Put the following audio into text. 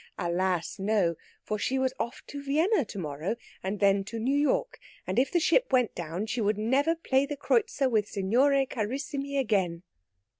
Alas, no! for she was off to Vienna to morrow, and then to New York, and if the ship went down she would never play the Kreutzer with Signore Carissimi again!